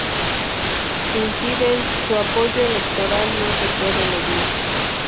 Sin Fidesz, su apoyo electoral no se puede medir.